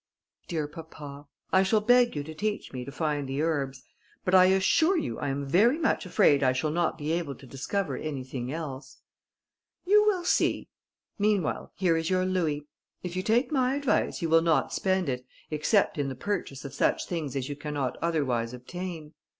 "Dear papa, I shall beg you to teach me to find the herbs; but I assure you I am very much afraid I shall not be able to discover anything else." "You will see: meanwhile, here is your louis; if you take my advice, you will not spend it, except in the purchase of such things as you cannot otherwise obtain.